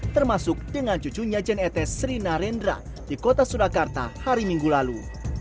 termasuk dengan cucunya jan etes sri narendra di kota surakarta hari minggu lalu